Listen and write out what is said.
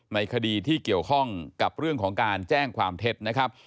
ในคดีที่เกี่ยวข้องกับเรื่องของการแจ้งความเท็จนะครับ